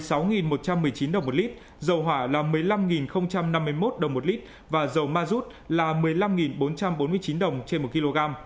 giá bán đối với mặt hàng dầu diesel là một mươi sáu một trăm một mươi chín đồng một lít dầu hỏa là một mươi năm năm mươi một đồng một lít và dầu mazut là một mươi năm bốn trăm bốn mươi chín đồng trên một kg